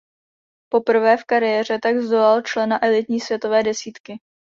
Poprvé v kariéře tak zdolal člena elitní světové desítky.